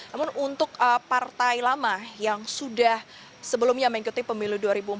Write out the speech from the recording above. namun untuk partai lama yang sudah sebelumnya mengikuti pemilu dua ribu empat belas